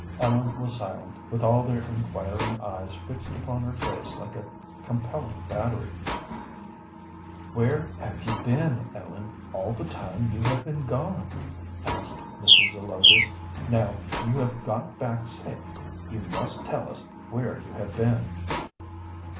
Ellen was silent, with all their inquiring eyes fixed upon her face like a compelling battery. "Where have you been, Ellen, all the time you have been gone?" asked Mrs. Zelotes. "Now you have got back safe, you must tell us where you have been."